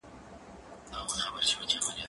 زه به سبا ښوونځی ته ځم وم،